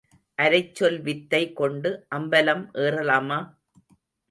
அரைச்சொல் வித்தை கொண்டு அம்பலம் ஏறலாமா?